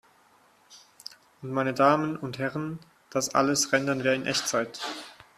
Und, meine Damen und Herren, das alles rendern wir in Echtzeit!